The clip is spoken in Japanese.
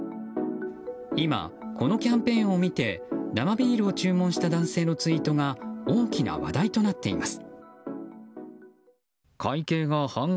今、このキャンペーンを見て生ビールと注文した男性のツイートが大きな話題となっています。